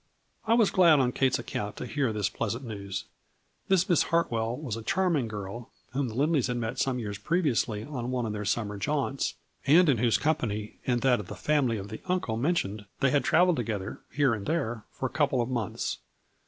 I was glad on Kate's account to hear this pleasant news. This Miss Hartwell was a charming girl whom the Lindleys had met some years previously on one of their summer jaunts, and in whose company and that of the family of the uncle mentioned they had traveled together, here and there, for a couple of months.